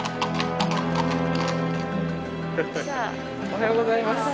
おはようございます。